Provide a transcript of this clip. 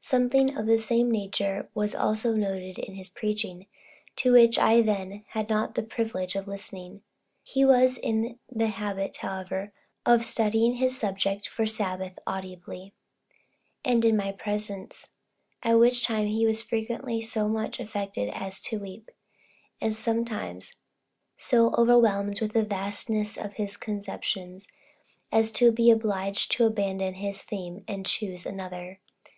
Something of the same nature was also noted in his preaching, to which I then had not the privilege of listening. He was in the habit, however, of studying his subject for the Sabbath, audibly, and in my presence, at which time he was frequently so much affected as to weep, and some times so overwhelmed with the vastness of his conceptions, as to be obliged to abandon his theme and choose another.